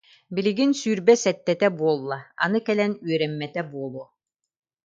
Билигин сүүрбэ сэттэтэ буолла, аны кэлэн үөрэммэтэ буолуо